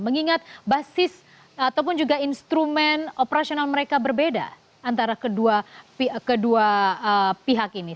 mengingat basis ataupun juga instrumen operasional mereka berbeda antara kedua pihak ini